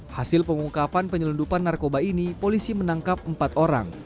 hasil pengungkapan penyelundupan narkoba ini polisi menangkap empat orang